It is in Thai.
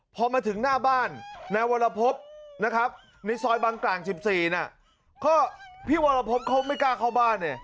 พอมาถึงหน้าบ้านนายวรภพในซอยบังกลาง๑๔พี่วรภพเขาไม่กล้าเข้าบ้าน